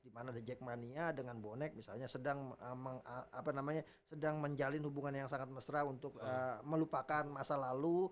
dimana ada jack mania dengan bonek misalnya sedang menjalin hubungan yang sangat mesra untuk melupakan masa lalu